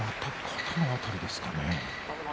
肩の辺りですかね。